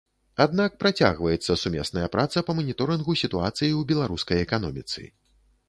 Аднак працягваецца сумесная праца па маніторынгу сітуацыі ў беларускай эканоміцы.